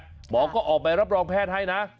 หมอก็ออกใบรับรองแพทย์ให้นะ